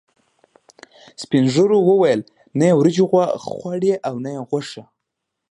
سپینږیرو ویل: نه یې وریجې خوړاوې، نه یې غوښه.